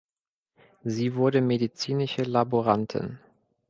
Sie wurde medizinische Laborantin.